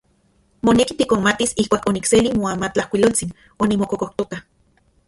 Moneki tikonmatis ijkuak onikseli moamatlajkuiloltsin onimokokojtoka.